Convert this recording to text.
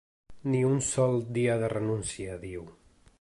“Ni un sol dia de renúncia”, diu.